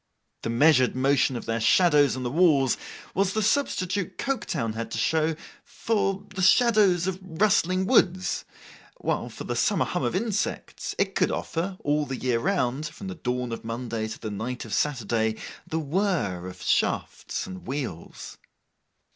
The measured motion of their shadows on the walls, was the substitute Coketown had to show for the shadows of rustling woods; while, for the summer hum of insects, it could offer, all the year round, from the dawn of Monday to the night of Saturday, the whirr of shafts and wheels.